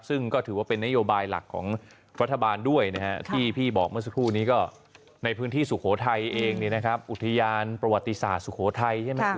ซึ่งก็ถือว่าเป็นนโยบายหลักของรัฐบาลด้วยที่พี่บอกเมื่อสักครู่นี้ก็ในพื้นที่สุโขทัยเองอุทยานประวัติศาสตร์สุโขทัยใช่ไหม